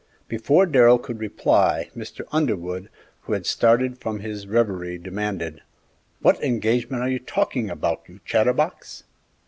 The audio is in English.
Before Darrell could reply, Mr. Underwood, who had started from his revery, demanded, "What engagement are you talking about, you chatterbox?"